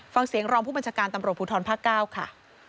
ฟังเสียงรองผู้บัญชาการตำรวจภูทรภาค๙ค่ะ